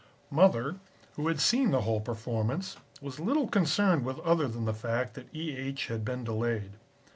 "Mother, who had seen the whole performance, was little concerned with other than the fact that E. H. had been delayed.